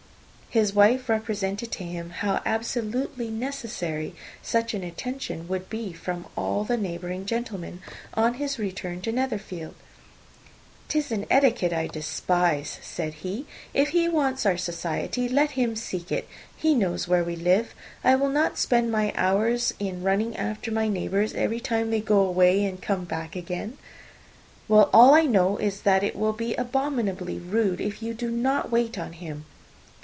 His wife represented to him how absolutely necessary such an attention would be from all the neighbouring gentlemen, on his returning to Netherfield. "'Tis an etiquette I despise," said he. "If he wants our society, let him seek it. He knows where we live. I will not spend my hours in running after my neighbours every time they go away and come back again." "Well, all I know is, that it will be abominably rude if you do not wait on him.